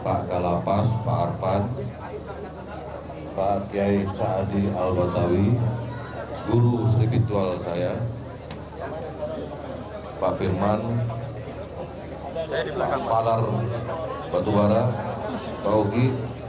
pak galapas pak arfan pak kiai saadi al batawi guru stipitual saya pak firman pak falar batubara pak ugi